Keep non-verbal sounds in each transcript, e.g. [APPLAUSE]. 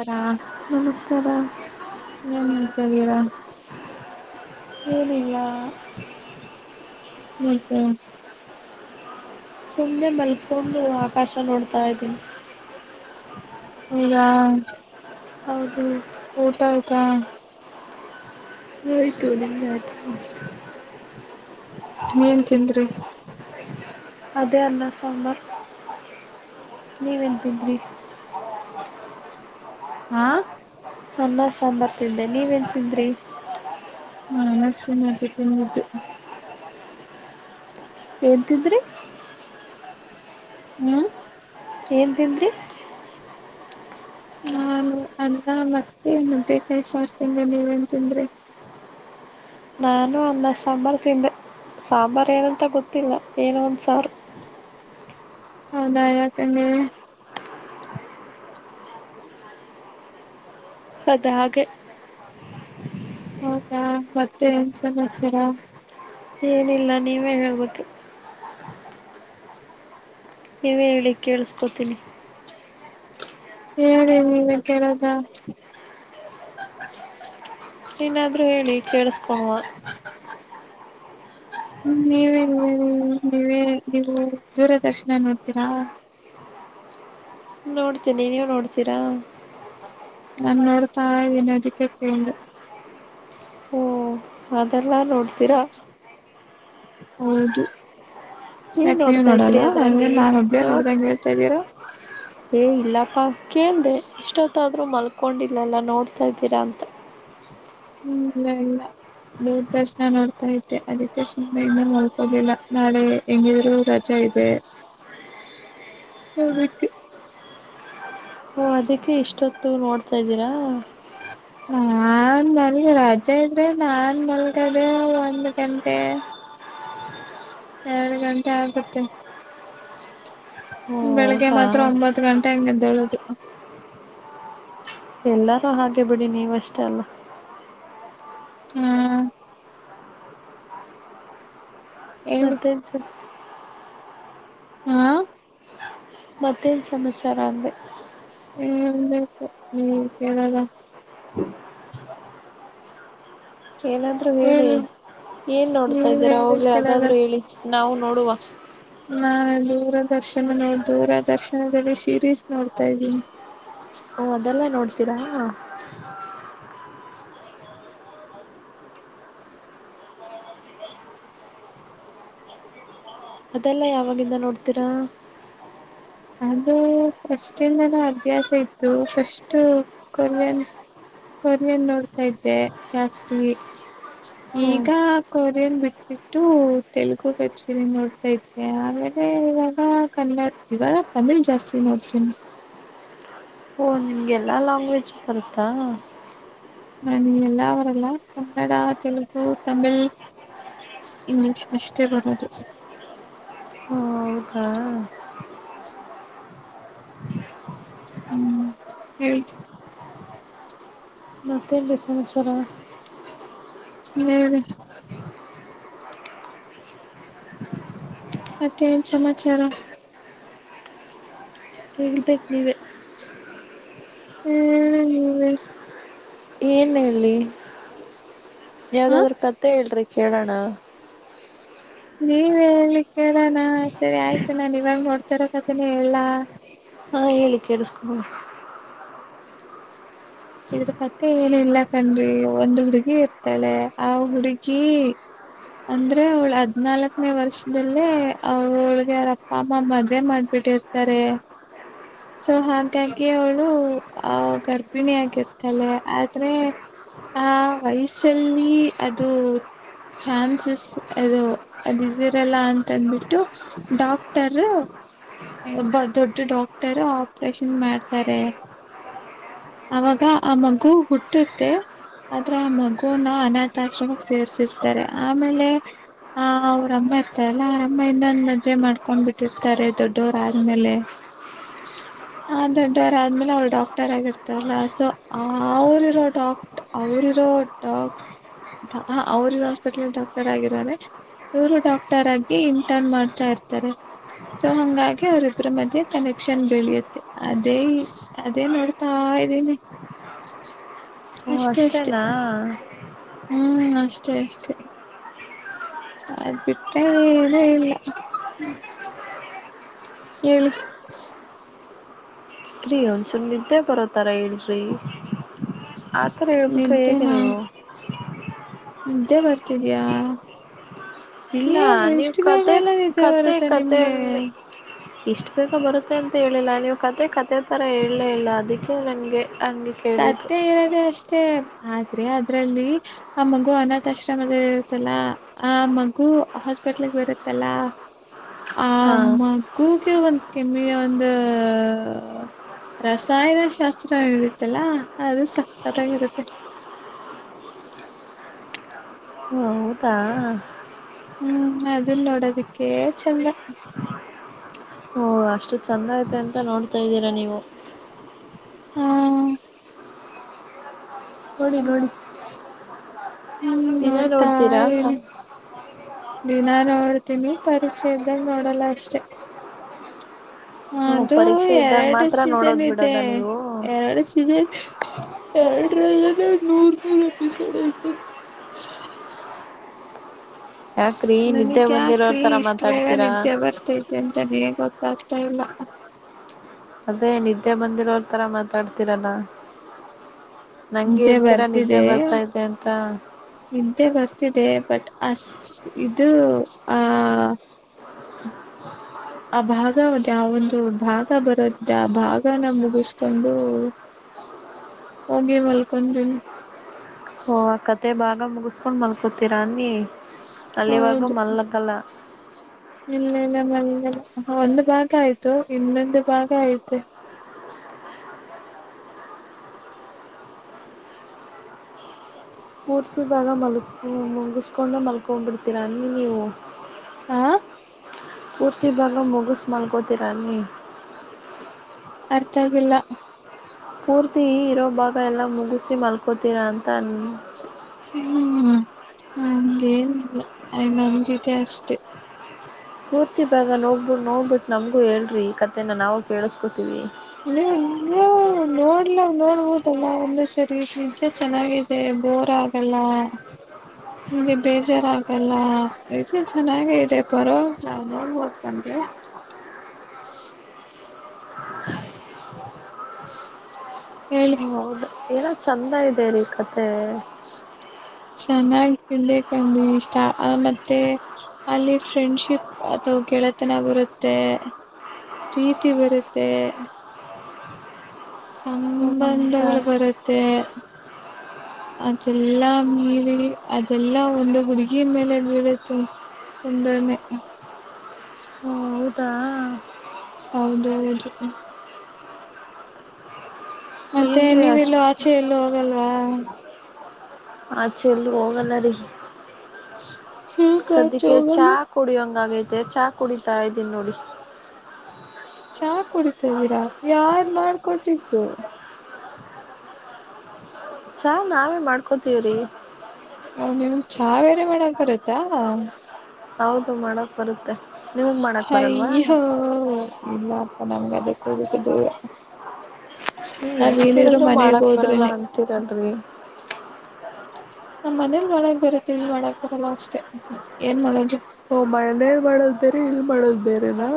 ಹರಾ ನಮಸ್ಕಾರ ನನ್ನ್ತರಾ ರಿಲ ಹೌಕ ಸುಮ್ನೆ ಮಲ್ಕೊಂಡು ಆಕಾಶ ನೋಡ್ತಾ ಇದ್ದೀನಿ. ಇ ಹೌದು ಊಟ ಆತಾ ಹಯ್ತು ನಿತ ಏನ್ ತಿಂದ್ರಿ? ಅದೇ ಅಲ್ಲ ಸೊಂಬಾರ್ ನೀ ವತರಿ ಹಾ ಅನ್ನ ಸಾಂಬಾರ್ ತಿಂದೆ ನೀವೇನ್ ತಿಂದ್ರಿ. ಹಾ ನನ್ನ ಆಗ ತಿ ನಿಂದು? ಎಳಂತಿದ್ರಿ? ಹ್ಮ್ ಏನ್ ತನ್ ನಾು ಅಲ್ಲ ಮತ್ತೆ ನ ಕೈಸ ಆಡ್ತನ ನೀವಂತಂದ್ರಿ. ನಾನು ಅನ್ನ ಸಾಂಬಾರ್, ತಿಂದೆ ಸಾಂಬಾರ್ ಏನಂತ ಗೊತ್ತಿಲ್ಲ ಏನ ಒಂದ್ ಸಾರು. ಹೌದಾ ಯಾಕನ್ನೆ ಅದ ಹಾಗೆ ಹೌದಾ ಮತ್ತೆ ಎನ್ ಸಮಾಚಾರ? ಏನಿಲ್ಲ ನೀವೇ ಹೇಳ್ಬೋದು? ನೀವ ಹೇಳಿ ಕೇಳಿಸ್ಕೋತೀನಿ. ಹೇಳೇ ನೀನ ಕೆೇಳದ? ನೀನಾದ್ರೂ ಹೇಳಿ ಕೇಳಸ್ಕೊಣುವ? ನೀವೆಲ್ಲಿ ನೀವೇ ನೀವು ದೂರದರ್ಶನ ನೋಡ್ತೀರಾ? ನೋಡ್ಸ ನೀ ನೀವು ನೋಡ್ತೀರಾ? ನನ್ನೂರು ತಳೆ ವಿನೋದಿಕಕ್ಕಂಡ ಹಾದ ಎಲ್ಲ ನೋಡ್ತೀರಾ? ಹೌದು. ಏನು ಯಾಕ ನೀವ್ ನೋಡ್ತಾ ನೋಡಲ್ಲ ಇದ್ರಿ ಅದರಲ್ಲಿ ನಾನ್ ಅಬ್ ನೋಡಿ ನೋಡ್ದಂಗ ಹೇಳ್ತಾ ಇದ್ದೀರಾ? ಏ ಇಲ್ಲಪ್ಪ ಕೇಳ್ರೆ ಇಷ್ಟೊತ್ತ ಮಲ್ಕೊಂಡಿಲ್ಲಲ್ಲ ನೋಡ್ತಾ ಇದಿದ್ದೀರಾ ಅಂತ. ಹ್ಮ್ ಇಲ್ಲ ಇಲ್ಲ ದೂರ್ದರ್ಶನ ನೋಡ್ತಾ ತೆ ಅದಕ್ಕೆ ಸುಮ್ನೆ ಇಂದ ನೋಡ್ಕೋದಿಲ್ಲ ನಾಳೆ ಹೆಂಗಿದ್ರು ರಜೆ ಇದೆ. ಹತೆ ಹ ಅದಕ್ಕೆ ಇಷ್ಟೊತ್ತು ನೋಡ್ತಾ ಇದ್ದೀರಾ? ನಾನ್ ಮಲ್ಗೆ ರಜೆ ಇದ್ರೆ ನಾನ್ ಮಲ್ಗದೆ ಒಂದ್ ಗಂಟೆ. ಎರಡು ಗಂಟೆ ಆಗ್ಬಟ್ಟೆ ಓ ಬೆಳಿಗ್ಗೆ ಹೌದಾ ಮಾತ್ರ ಒಂಬತ್ತು ಹತ್ತು ಗಂಟೆ ಹಂಗ ದೊಡದು ಎಲ್ಲರೂ ಹಾಗೆ ಬಿಡಿ ನೀವು ಅಷ್ಟೇ ಅಲ್ಲ ಹ್ಮ್ ಹೇಳಿ ಮತ್ತೆ ಏನ್ ಸರ್ ಹಾ ಮತ್ತೇನು ಸಮಾಚಾರ ಅಂದೆ ಹ್ಮ ಹ್ಮ್ದ [UNINTELLIGIBLE] ಏನಾದರೂ ಹೇಳಿ ಏನು ನೋಡ್ತಾ ನೀವ್ ಇದಿದ್ದೀರಾ ಹೇಳಿ ಅವಾಗಲೇ ಕೇಳಲ್ಲ ಅದಾದರೂ ಹೇಳಿ ನಾವು ನೋಡುವ ನಾನು ದೂರದರ್ಶನನೇ ದೂರದರ್ಶನದಲ್ಲಿ ಸೀರೀಸ್ ನೋಡ್ತಾ ಇದ್ದೀನಿ ಹ ಅದೆಲ್ಲ ನೋಡ್ತೀರಾ ಹ [UNINTELLIGIBLE] ಅದೆಲ್ಲ ಯಾವಾಗಿಂದ ನೋಡ್ತ. [UNINTELLIGIBLE] ಅದು ಫಸ್ಟಿಂದನ ಅಭ್ಯಾಸ ಇತ್ತು ಫಸ್ಟ್ು ಕೊಲೆನೆ ಕೊರಿಯನ್ ನೋಡ್ತಾ ಇದ್ದೆ ಜಾಸ್ತಿ ಹ್ಞೂ ಈಗ ಕೊರಿಯನ್ ಬಿಟ್ಬಿಟ್ಟು ತೆಲುಗು ವೆಬ್ ಸೀರ ನೋಡ್ತಾ ಇದ್ದೆ ಆಮೇಲೆ ಇವಾಗ ಕನ್ನಡ ಇವಾಗ ತಮಿಳ್ ಜಾಸ್ತಿ ನೋಡ್ತೀನಿ ನಿಮ್ಗೆಲ್ಲ ಲಲ್ಾಂಗ್ವೇಜ್ ಬರುತ್ತಾ ನಾನ ಎಲ್ಲ ಅವರಲ್ಲ ಕನ್ನಡ ತೆಲುಗು ತಮಿಳ್ ಇಂಗ್ಲಿಷ್ ಅಷ್ಟೇ ಬರೋದು ಹೋ ಹೌದಾ ಹ್ಮ್ ಹೇಳ ಹ ಹತ್ತ ಏನ್ರೀ ಸಮಾಚಾರ ಹ್ಮ [UNINTELLIGIBLE] ಮತ್ತೇನ್ ಸಮಾಚಾರ ಸಂತ [UNINTELLIGIBLE] ಹ್ಮ್ ಹ್ಮ್ ಏನ್ ಹೇಳಿ ಹಾ ಯಾವ್ದಾದ್ರ ಕತೆೆ ಹೇಳ್ರಿ ಕೇಳೋಣ ನೀವ್ ಹೇಳಲಿಕ್ಕೆರಣ ಸರಿ ಆಯ್ತು ನಾನ್ ಇವಾಗ ನೋಡ್ತರಕ್ದನ ಹಲ್ಲಾ ಹಾ ಹೇಳಿಕೇಡು ಸ್ಕೂಲ್ ಇದ್ರ ಮತ್ತೆ ಏನಿಲ್ಲಕನ್್ರಿ ಒಂದ್ ಹುಡ್ಗಿ ಇರ್ತಾಳೆ ಆ ಹುಡುಗಿ ಅಂದ್ರೆ ಅವಳು ಹದ್ನಾಲ್ಕನೇ ವರ್ಷದಲ್ಲೇ ಅವಳ್ಗೆ ಅವರ ಅಪ್ಪ ಅಮ್ಮ ಮದ್ವೆ ಮಾಡ್ಬಿಟ್ಟಿರ್ತಾರೆ ಸೊ ಹಾಗಾಗಿ ಅವಳು ಆ ಗರ್ಭಿಣಿಯ ಆಗರ್ತಲೆ ಆದ್ರೆ ಆ ವಯಸ್ಸಲ್ಲಿ ಅದು ಚಾನ್ಸಸ್ ಅದು ಅದು ಇದಿರಲ್ಲ ಅಂತಂದ್ಬಿಟ್ಟು ಡಾಕ್ಟರ್ಬ ದೊಡ್ಡ ಡಾಕ್ಟರ್ ಆಪ್ರೇಷನ್ ಮಾಡ್ತಾರೆ ಅವಾಗ ಆ ಮಗು ಹುಟ್ಟುತ್ತೆ ಆದ್ರೆ ಆ ಮಗುನ ಅನಾಥಾಶ್ರಮಕ್ಕೆ ಸೇರ್ಸಿರ್ತಾರೆ ಆಮೇಲೆ ಆ ಅವ್ರಮ್ಮ ಇರ್ತಾರಲ್ಲ ಅವರಮ್ಮ ಇನ್ನೊಂದು್ ಮದುವವೆ ಮಾಡ್ಕೊಂಡ್ ಬಿಟ್ಟಿರ್ತಾರೆ ದೊಡ್ಡವರಾದ್ಮೇಲೆ ಆ ದೊಡ್ಡವರ ಆದ್ಮೇಲೆ ಅವ್ರ ಡಾಕ್ಟರ್ ಆಗಿರ್ತಾರಲ್ಲ ಸೊ ಅವರಿರೋ ಡಾಕ್ಟ ಅವ್ರರೋ ಡಾಕ್ ಅವ್ರರೋ ಹಾಸ್ಪಿಟಲ್ ಡಾಕ್ಟರ್ ಆಗಿರೋೆ ಇವರು ಡಾಕ್ಟರ್ ಆಗಿ ಇಂಟರ್ನ್ ಮಾಡ್ತಾ ಇರ್ತಾರೆ ಸೊ ಹಂಗಾಗಿ ಅವ್ರಬ್ಬರ ಮಧ್ಯೆ ಕನೆಕ್ಷನ್ ಬೆಳಿಯುತ್ತೆ ಅದೇ ಅದೇನೆ ಅವಡ ತಾ ಇದೇನೆೇ ಹ ಅಷ್ಟೇನಾ ಹ್ಮ್ ಅಷ್ಟೇ ಅಷ್ಟೇ ಅಬಟ್ಟ ಇ ಹೇಳಿ ರೀ ಒಂದಸುಮ್ ನಿದ್ದೆ ಬರೋತಾರ ಹೇಳ್ರಿ ಆಥರ ಹೇಳ್ಬಿಟ್ರೆ ಹೇಗ ನಿದ್ದೆನಾ ನೀವೋ ನಿದ್ದೆ ಬರ್ತಿದಯಾ ಇಲ್ಲ ಏನ್ರು ನೀವು ಇಷ್ಟು ಬೇಗ ಕತೆ ಎಲ್ಲ ಇದಜ ಕತೆ ಬರುತ್ತೆ ಕತೆ ನಿಮ್ಗೆ ಇಷ್ಟು ಬೇಕೋ ಬರುತ್ತೆ ಅಂತ ಹೇಳಿಲ್ಲ ನೀವು ಕತೆೆ ಕತೆೆ ಥರ ಹೇಳಲೇ ಇಲ್ಲ ಅದಕ್ಕೆ ನನಗೆ ಹಂಗೆ ಸತ್ತ ಕೇಳಿದ್ದು ಇರೋದೆ ಅಷ್ಟೇ ಆದ್ರೆ ಅದ್ರಲ್ಲಿ ಆ ಮಗು ಅನಾಥಾಶ್ರಮದ ಇರುತ್ತಲ್ಲ ಆ ಮಗು ಹಾಸ್ಪಿಟ್ಲ್ಗ್ ಬರುತ್ತಲ್ಲ ಆ ಹಾ ಮಗೂ ಕ ಒಂದು ಕೆಮ್ಮಗೆ ಒಂದು ರಸಾಯನ ಶಾಸ್ತ್ರ ಹೇಳ ಲ್ಲ ಅದು ಸಪ್ಪತ್ತಾಗಿರುತ್ತೆ ಹೌದಾ ಹ್ಮ್ ಅದನ್ ನೋಡೋದಕ್ಕೆ ಚಂದ ಹಓ ಅಷ್ಟು ಚೆಂದ ಐತೆ ಅಂತ ನೋಡ್ತಾಯಿದ್ದೀರಾ ನೀವು ಹಾ ಹಡಿ ಗಡಿ ಹ ಹಂಗ ಮಾಡೋ್ತಾ ಏನೆ ದಿನಾ ನೋಡ್ತೀನಿ ಪರಿಚಯ್ದ ನೋಡಲ್ಲ ಅಷ್ಟೆ ಹ್ಮ್ ಅದು ಪರೀಕ್ಷೆ ಇದ್ದಾಗ ಎರಡು ಮಾತ್ರ ಸೀಸನ್ ನೋಡೋದ್ ಇದೆ ಬಿಡೋದ ನೀವು ಎರಡು ಸೀಸನ್ ಪಾರ ್ರಲ್ಲ ನೂರ್ ನೂರು ಎಪಿಸೋಡ್ ಐ್ತೆ ಯಾಕ್ರೀ ನಿದ್ದೆ ನನಗ್ ಬಂದಿರೋರ್ ಹಾಕಿ ತರ ಇಷ್ಟ ವೇಗ ಮಾತಾಡ್ತೀರಾ ನಿದೆ ಬರ್ತೈತೆ ಅಂತಾನ ಗೊತ್ತ ತಟೈಮ ಅದೇ ನಿದ್ದೆ ಬಂದಿರೋವರ್ ತರ ಮಾತಾಡ್ತಿೀರಲ್ಲ ನಂಗೆ ನಿದ್ದೆ ಹಡ್ತೀರಾ ನಿದ್ದೆ ಬರ್ತಾ ಇದೆ ಅಂತ ಇದ್ದೆ ಬರ್ತಿದೆ ಬಟ್ ಅ ಇದು ಆ ಆ ಭಾಗದ ಆ ಒಂದು ಭಾಗ ಬರೋದಿದೆ ಆ ಭಾಗನ ಮುಗಿಸ್ಕೊಂಡು ಹೋಗಿ ಮಲ್ಕೊಂಡ ಹ ಕತೆೆ ಬಾರ ಇ ಮುಗಸ್ಕೊಂಡು ಮಲ್ಕೊತಿೀರಿ ಅಲ್ಲಿಿವರ್ಗ ಮಲ್ಲಕ್ಕಲ್ಲ ಇಲ್ಲ ಇಲ್ಲ ಮಲ್ಲ ಒಂದು ಭಾಗ ಆಯ್ತು ಇನ್ನೊಂದು ಭಾಗ ಆಯ್ತು ಮೂೂರ್ತಿ ಭಾಗ ಮಲ್ಕು ಮುಗಿಸ್ಕೊಂಡು ಮಲ್ಕ್ಬಿಡ್ತೀರ ಅನ್ನ ನೀವು ಹಾ ಪೂರ್ತಿ ಭಾಗ ಮುಗಸು ಮಲ್ಕೋತಿರಿ ಅರ್ಥ ಆವಿಲ್ಲ ಪೂರ್ತಿ ಇರೋ ಭಾಗ ಎಲ್ಲ ಮುಗಿಸಿ ಮಲ್ಕೋತೀರಾ ಅಂತ ಅನ್ ಹ್ಮ್ ನಮಗೆನ್ ನಮ ಜತೆ ಅಷ್ಟೆ ಪೂರ್ತಿ ಭಾಗ ನೋ್ಬಿ ನೋಡ್ಬಿಟ್ಟು ನಮ್ಗೂ ಹೇಳ್ರಿ ಈ ಕಥೆನ ನಾವು ಕೇಳಸ್ಕೋತಿೀವಿ ನೀ ನೋಡ್ಲ ನೋಡ್ಬೋದಲ್ಲ ಒಂದೆ ಸರಿ ನಿಚೆ ಚೆನ್ನಾಗಿದೆ ಬೋರ್ ಆಗಲ್ಲ ನಿಗೆ ಬೇಜಾರಾಗಲ್ಲ ಈಚೆ ಚೆನ್ನಾಗ ಇದೆ ಬರೋ ನಾವ್ ನೋಡ್ಬೋದ ಬಂದ್ರಿ ಏಳು ಹೌದಾ ಏನೋ ಚೆಂದ ಇದೆ ರೀ ಕತೆೆ ಚೆನ್ನಾಗಿ ತಿನ್ಬೇಕಂದೆ ಇಷ್ಟ ಮತ್ತೆ ಅಲ್ಲಿ ಫ್ರೆಂಡ್ಶಿಪ್ ಅಥವಾ ಗೆಳೆತನ ಬರುತ್ತೆ ಪ್ರೀತಿ ಬರುತ್ತೆ ಹ್ಞೂ ಅಂತ ಸಂಬಂಧಗಳು ಬರುತ್ತೆ ಅದೆಲ್ಲಾ ಮೀರಿ ಅದೆಲ್ಲ ಒಂದು ಹುಡುಗಿ ಮೇಲೆ ಬೀಳುತ್ತು ತಂದೇ ಹೌದಾ ಸೌದ ಹ ಮತ್ತೆ ಏನ್ರಿ ಅಷ್ಟ್ ನೀವೆಲ್ಲೋ ಆಚೆ ಎಲ್ಲೋ ಲ್ವಾ ಆ ಚೆಲ್ಲ ಹೋಗಲ್ಲ ರೀ ಯಾಕ್ ಆಚೆ ಸದ್ಯಕ್ಕೆ ಚಾ ಹೋಗಲ್ಲ ಕುಡಿಯಂಗ್ ಆಗೈತೆ ಚಾ ಕುಡಿತಾ ಇದೀನಿ ನೋಡಿ. ಚಾ ಕುಡಿತ್ದೀರಾ ಯಾರ್ ಮಾಡ್ಕೊಟ್ಟಿದ್ದು ಚಾ ನಾವೇ ಮಾಡ್ಕೋ ತಿರಿ ಹ ನಿಮಿಗೆ ಚಾವೇರೆ ಮಾಡಕ್ ಬರತ್ತಾ ಹೌದು ಮಾಡ ಬರುತ್ತೆ. ನಿಮಗ್ ಮಾಡಕ್ ಬರಲ್ವಾ ಹಯ್ ಹೋ ಇಲ್ಲ [UNINTELLIGIBLE] ಹ್ಮ ಏನ್ ಕೇಳಂದ್ರು ಮಾಡಾಕ್ ಬರಲ್ಲ ಅಂತೀರಲ್ರರಿ ನ್ ಮನೇಲಿ ಮಾಡಕ್ಕೆ ಬರತ್ತೆ ಇಲ್ಲಿ ಮಾಡಕ್ ಬರಲ್ಲ ಅಷ್ಟೇ ಏನ್ ಮಾಡದು ಓ ಮನೇಲ್ ಮಾಡೋದ್ ಬೇರೆ ಇಲ್ ಮಾಡೋದ್ ಬೇರೆನಾ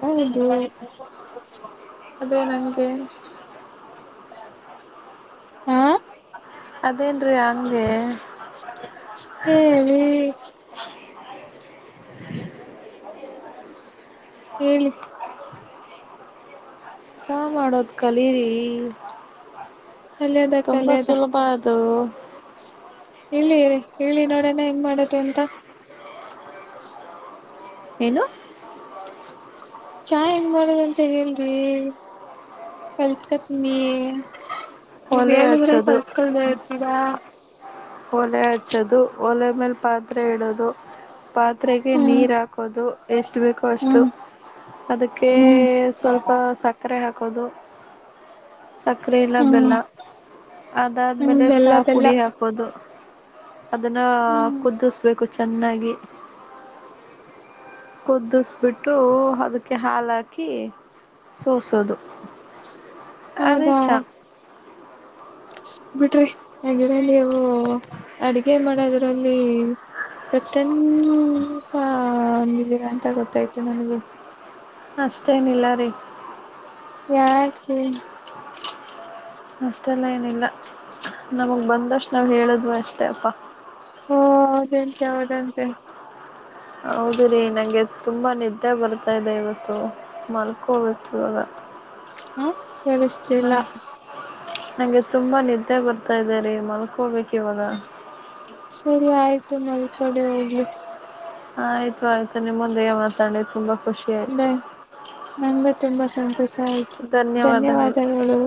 ಹೌದು. ಅದೇ ನನ್ನಗೆ ಹಾ ಅದೇನ್ ರೀ ಹಂಗೆ ಹೇಳಿ ಹೇಳಿ. ಚಹಾ ಮಾಡೋದ್ ಕಲೀರಿ ಕಲಿಯದ ತುಂಬಾ ಕಲಿಯದ ಸುಲಭ ಅದು [INAUDIBLE] ಇಲ್ಲಿ ಹೇಳಿ ಹೇಳಿ ನೋಡಣ ಹೆಂಗ್ ಮಾಡದು ಅಂತ ಏನು ಚಹಾ ಹೆಂಗ್ ಮಾಡದಂತ ಹೇಳ್ರಿ ಕಲ್ಕೊತಿನಿ ಒಲೆ ಹಚ್ಚೋದು ಇರ್ತೀರಾ ಒಲೆ ಹಚ್ಚೋದು ಒಲೆ ಮೇಲೆ ಪಾತ್ರೆ ಇಡೋದು ಪಾತ್ರೆಗೆ ಹ್ಮ್ ನೀರು ಹಾಕೋದು ಎಷ್ಟು ಬೇಕೋ ಅಷ್ಟು ಹ್ಮ್ ಅದಕ್ಕೆ ಹ್ಮ್ ಸ್ವಲ್ಪ ಸಕ್ಕರೆ ಹಾಕೋದು ಸಕ್ಕರೆಲ್ಲ ಬೆಲ್ಲ ಹ್ಮ್ ಅದಾದ್ಮೇಲೆ ಬೆಲ್ಲ ಚಹ ಬೆಲ್ಲ ಪುಡಿ ಹಾಕೋದು ಅದನ್ನ ಹ್ಮ್ ಕುದಿಸ್ಬೇಕು ಚೆನ್ನಾಗಿ ಕುದ್ದಿಸಬಿಟ್ಟು ಅದ ಕ್ಕ ಹಾಲಾಕಿ ಸೋಸೋದು ಅದೇ ಚಹಾ ಬಿಡ್ರಿ ಹಾಗೆಲ್ಲ ನೀವು ಅಡಗೆ ಮಾಡೋದ್ರಲ್ಲಿ ಫಿಕ್ಸ [UNINTELLIGIBLE] ಪ್ರತಂದುಪಿದ್ದೀರಾ ಅಂತ ಗೊತ್ತಾಯ್ತು ನನಗೆ ಅಷ್ಟೇನಿಲ್ಲ ರೀ ಯಾಕೇ ಅಷ್ಟೆಲ್ಲಾ ಏನ್ ಇಲ್ಲ ನಮಗೆ ಬಂದಷ್ಟು ನಾವು ಹೇಳದ್ವ ಅಷ್ಟೇ ಅಪ್ಪ ಂ ಯಾವದಂತೆ [UNINTELLIGIBLE] ಹೌದು ರೀ ನನಗೆ ತುಂಬ ನಿದ್ದೆ ಬರ್ತಾ ಇದೆ ಇವತ್ತು ಮಲ್ಕೋಬೇಕು ಇವಾಗ ಹಾ ಹ ನಂಗೆ ತುಂಬಾ ನಿ ನಿದ್ದೆ ಮತ್ತ ಬರ್ತಾ ಇದಾರೆ ಮಲ್ಕೊಬೇಕ ಇವಾಗ ಸರಿ ಆಯ್ತು ಮಲ್ಕೂರಿ ಹೋಗಿ ಆಯ್ತು ಆಯ್ತು ನಿಮ್ಮಂದಿಗೆ ಮಾತಾಡಿ ತುಂಬಾ ಖುಷಿ ಆಯ್ತು ಬಾಯ್ ನಂಗೂ ತುಂಬಾ ಸಂತೋಷ ಆಯತು ಧನ್ಯವಾದಗಳು